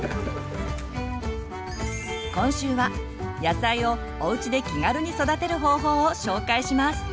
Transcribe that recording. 今週は野菜をおうちで気軽に育てる方法を紹介します。